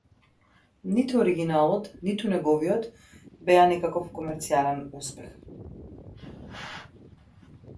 Neither the original nor its were commercial successes.